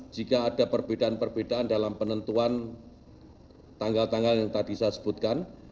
jika ada perbedaan perbedaan dalam penentuan tanggal tanggal yang tadi saya sebutkan